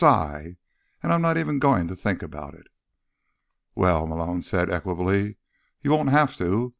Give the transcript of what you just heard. _ And I'm not even going to think about it." "Well," Malone said equably, "you won't have to.